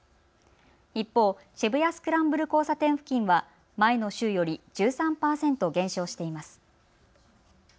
一方、渋谷スクランブル交差点付近は前の週より１３％減少しています。